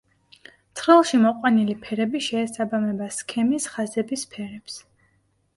ცხრილში მოყვანილი ფერები შეესაბამება სქემის ხაზების ფერებს.